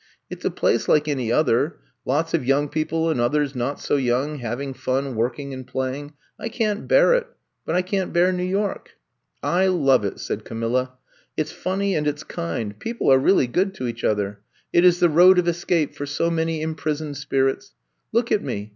It 's a place like any other — ^lots of young people and others not so young, having fun working and playing. I can't bear it, but I can 't bear New York. '' '*I love it," said Camilla. *^It 's funny and it 's kind. People are really good to each other. It is the road of escape for so many imprisoned spirits. Look at me.